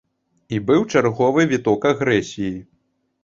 І быў чарговы віток агрэсіі.